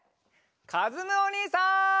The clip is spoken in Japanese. かずむおにいさん！